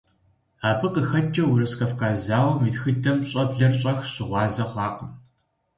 Абы къыхэкӀкӀэ Урыс-Кавказ зауэм и тхыдэм щӀэблэр щӀэх щыгъуазэ хъуакъым.